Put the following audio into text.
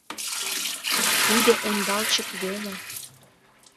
— Тиде ондалчык веле!..